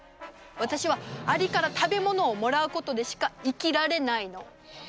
私はアリから食べ物をもらうことでしか生きられないの。